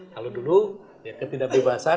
kalau dulu ya ketidakbebasan